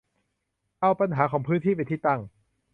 เอาปัญหาของพื้นที่เป็นที่ตั้ง